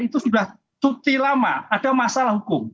itu sudah cuti lama ada masalah hukum